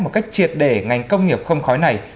một cách triệt để ngành công nghiệp không khói này